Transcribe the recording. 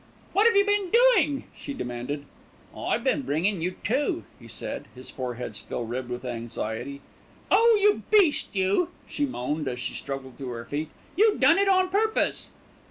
"What have you been doing?" she demanded. "I been bringin' you to," he said, his forehead still ribbed with anxiety. "Oh! you beast, you!" she moaned, as she struggled to her feet. "You done it on purpose."